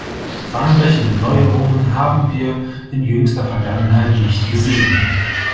Bahnbrechende Neuerungen haben wir in jüngster Vergangenheit nicht gesehen.